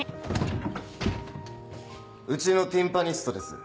うちのティンパニストです。